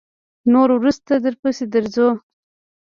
نور وروسته درپسې درځو.